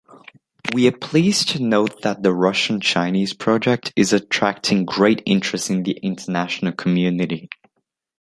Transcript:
We are pleased to note that the Russian-Chinese project is attracting great interest in the international community.